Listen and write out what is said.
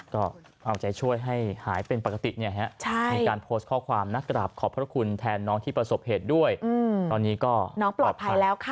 ก็เอาใจช่วยให้หายเป็นปกติมีการโพสต์ข้อความนะกราบขอบพระคุณแทนน้องที่ประสบเหตุด้วยตอนนี้ก็น้องปลอดภัยแล้วค่ะ